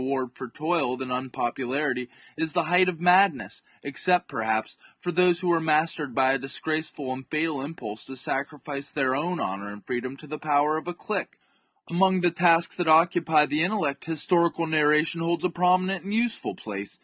ward for toil than unpopularity, is the height of mad ness, except, perhaps, for those who are mastered by a disgraceful and fatal impulse to sacrifice their own honour and freedom to the power of a clique. CHAP. Among the tasks that occupy the intellect, historical narration holds a prominent and useful place.